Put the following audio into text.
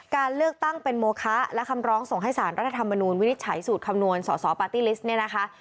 การเลือกตั้งเป็นโมคะและคำร้องส่งให้สารรัฐธรรมนูญวินิจฉัยสูตรคำนวณสอสอปาร์ตี้ลิสต์เนี่ยนะคะ